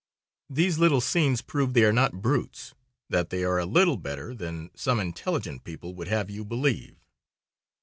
These little scenes prove they are not brutes, that they are a little better than some intelligent people would have you believe.